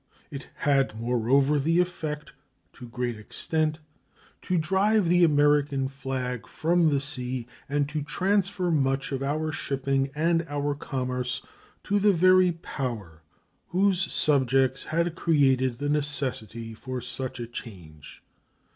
It had, moreover, the effect, to a great extent, to drive the American flag from the sea, and to transfer much of our shipping and our commerce to the very power whose subjects had created the necessity for such a change.